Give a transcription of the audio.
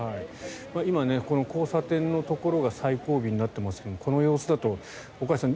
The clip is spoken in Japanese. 今、交差点のところが最後尾になってますけどこの様子だと岡安さん